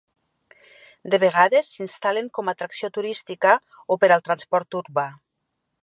De vegades, s'instal·len com a atracció turística o per al transport urbà.